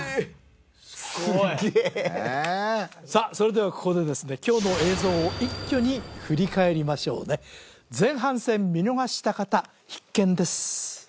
すげえそれではここでですね今日の映像を一挙に振り返りましょうね前半戦見逃した方必見です